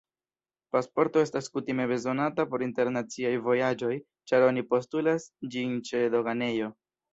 Pasporto estas kutime bezonata por internaciaj vojaĝoj, ĉar oni postulas ĝin ĉe doganejo.